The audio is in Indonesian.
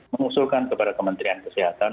mengusulkan kepada kementerian kesehatan